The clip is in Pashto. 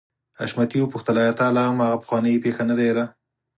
حشمتي وپوښتل آيا تا لا هم هغه پخوانۍ پيښه نه ده هېره.